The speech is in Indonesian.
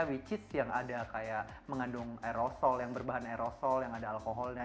which is yang ada kayak mengandung aerosol yang berbahan aerosol yang ada alkoholnya